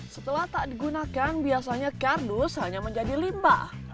setelah tak digunakan biasanya kardus hanya menjadi limbah